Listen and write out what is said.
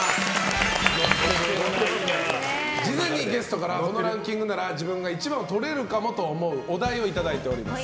事前にゲストからこのランキングなら自分が１番をとれるかもと思うお題をいただいております。